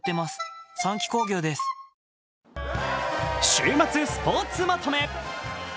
週末スポーツまとめ。